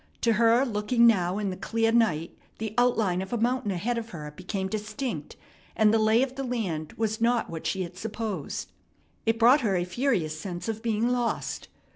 To her looking now in the clear night the outline of a mountain ahead of her became distinct, and the lay of the land was not what she had supposed. It brought her a furious sense of being lost.